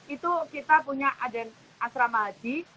itu kita punya ada yang asrama haji